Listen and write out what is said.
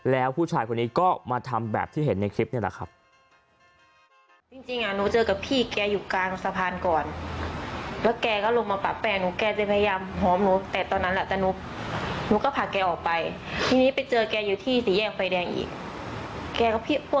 แล้วผู้ชายคนนี้ก็มาทำแบบที่เห็นในคลิปนี่แหละครับ